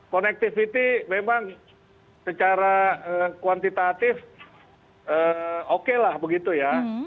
connectivity memang secara kuantitatif oke lah begitu ya